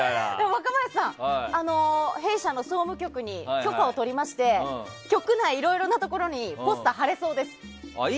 若林さん、弊社の総務局に許可を取りまして局内のいろいろなところにポスターを貼れそうです。